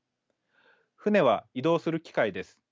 船は移動する機械です。